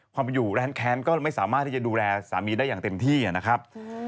ไปอยู่ร้านแค้นก็ไม่สามารถที่จะดูแลสามีได้อย่างเต็มที่นะครับ